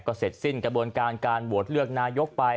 เสร็จสิ้นกระบวนการการโหวตเลือกนายกไป